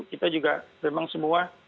kita juga memang semua